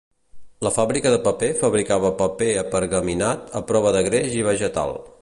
La fàbrica de paper fabricava paper apergaminat a prova de greix i vegetal.